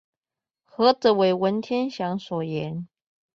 何者為文天祥所言？